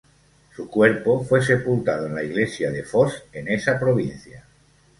Su cuerpo fue sepultado en la iglesia de Foss, en esa provincia.